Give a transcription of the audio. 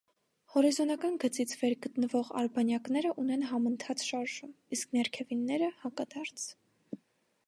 Հորիզոնական գծից վեր գտնվող արբանյակները ունեն համընթաց շարժում, իսկ ներքևինները՝ հակադարձ։